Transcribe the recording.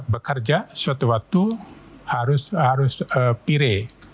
bekerja suatu waktu harus pire